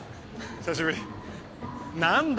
久しぶり何だ？